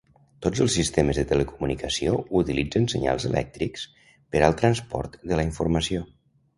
Tots els sistemes de telecomunicació utilitzen senyals elèctrics per al transport de la informació.